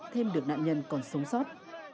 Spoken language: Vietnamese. thêm được nạn nhân còn sống sót